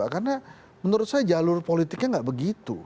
karena menurut saya jalur politiknya nggak begitu